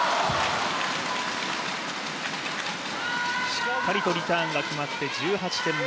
しっかりとリターンが決まって１８点目。